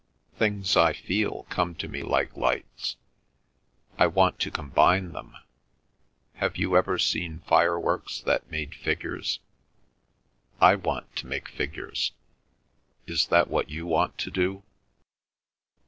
Things I feel come to me like lights. ... I want to combine them. ... Have you ever seen fireworks that make figures? ... I want to make figures. ... Is that what you want to do?"